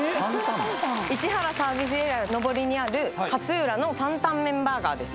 タンタン市原サービスエリア上りにある勝浦のタンタンメンバーガーです